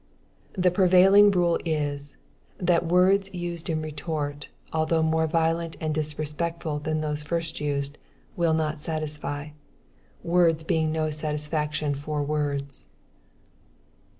The prevailing rule is, that words used in retort, although more violent and disrespectful than those first used, will not satisfy, words being no satisfaction for words.